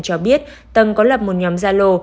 cho biết tầng có lập một nhóm gia lô